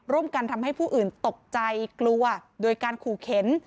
ทำให้ผู้อื่นตกใจกลัวโดยการขู่เข็น